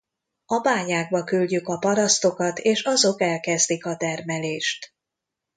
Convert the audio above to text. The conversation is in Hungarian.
A bányákba küldjük a parasztokat és azok elkezdik a termelést.